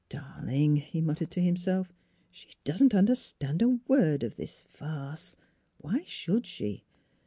"Darling!" he muttered to himself. "She doesn't understand a word of this farce. Why should she?"